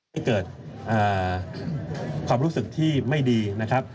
ให้เกิดความรู้สึกที่ไม่ดีนะครับ